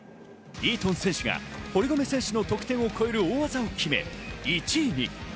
イートン選手が堀米選手の得点を超える大技を決め、１位に。